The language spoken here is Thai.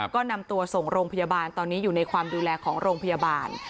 ก็นำตัวส่งโรงพยาบาลตอนนี้อยู่ในความดูแลของโรงพยาบาล